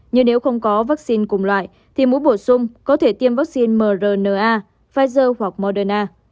nhưng nếu không có vắc xin cùng loại thì mũi bổ sung có thể tiêm vắc xin mrna pfizer hoặc moderna